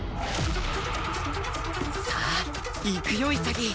さあいくよ潔！